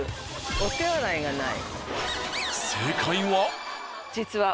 お手洗いがない。